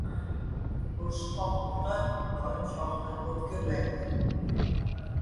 • Urushqoq buqa doim shoxini o‘tkirlaydi.